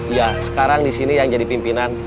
ya sekarang disini yang jadi pimpinan